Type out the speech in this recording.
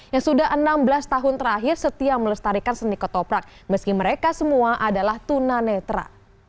yang sudah enam belas tahun terakhir setia melestarikan seni kotoprak meski mereka semua adalah tunanetra